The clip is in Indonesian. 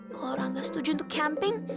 kalau karangga setuju untuk camping